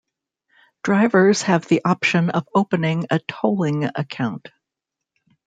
Drivers have the option of opening a tolling account.